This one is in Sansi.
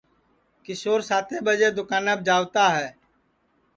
کیشور ساتیں ٻجیں دؔوکاناپ جاتا ہے